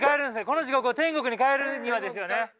この地獄を天国に変えるにはですよね？